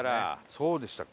そうでしたか。